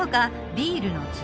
ビールの壺